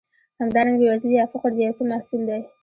همدارنګه بېوزلي یا فقر د یو څه محصول دی.